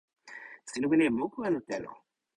sina wile e moku anu telo?